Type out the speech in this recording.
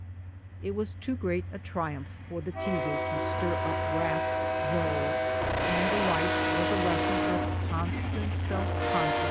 It was too great a triumph for the teaser to stir up wrath though, and the life was a lesson of constant self con trol.